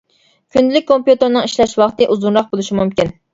كۈندىلىك كومپيۇتېرنىڭ ئىشلەش ۋاقتى ئۇزۇنراق بولۇشى مۇمكىن.